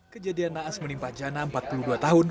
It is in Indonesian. kejadian naas menimpa jana empat puluh dua tahun